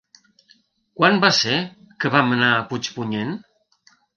Quan va ser que vam anar a Puigpunyent?